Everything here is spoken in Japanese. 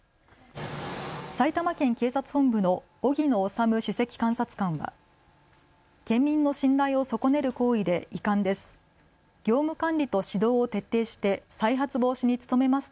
埼玉県警察本部の荻野長武首席監察官は県民の信頼を損ねる行為で遺憾です。